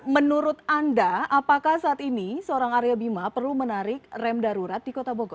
menurut anda apakah saat ini seorang arya bima perlu menarik rem darurat di kota bogor